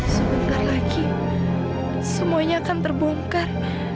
sebentar lagi semuanya akan terbongkar